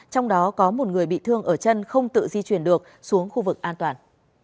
trong đó có một người bị thương ở chân không tự di chuyển được xuống khu vực an toàn